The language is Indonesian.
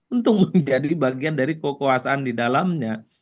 untuk menjadi bagian dari kekuasaan di dalamnya